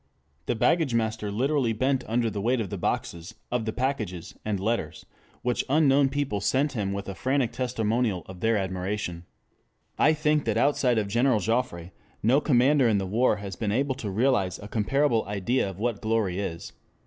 The baggage master literally bent under the weight of the boxes, of the packages and letters which unknown people sent him with a frantic testimonial of their admiration. I think that outside of General Joffre, no commander in the war has been able to realize a comparable idea of what glory is.